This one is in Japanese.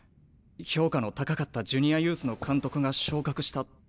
評価の高かったジュニアユースの監督が昇格したとか。